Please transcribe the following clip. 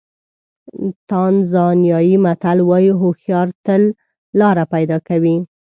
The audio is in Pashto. تانزانیایي متل وایي هوښیار تل لاره پیدا کوي.